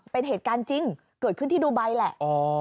เป็นเหตุการณ์จริงเกิดขึ้นที่ดูไบแหละ